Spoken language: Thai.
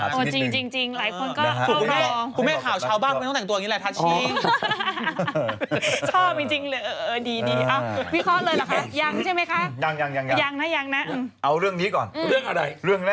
เชื่อคนละทาง